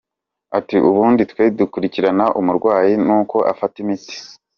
Ati “ Ubundi twe dukurikirana umurwayi n’uko afata imiti.